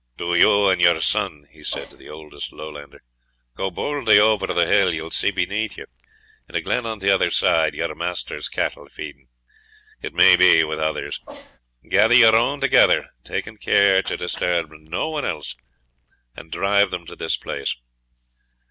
"Do you and your son," he said to the oldest Lowlander, "go boldly over the hill; you will see beneath you, in a glen on the other side, your master's cattle, feeding, it may be, with others; gather your own together, taking care to disturb no one else, and drive them to this place.